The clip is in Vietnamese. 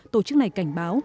tổ chức này cảnh báo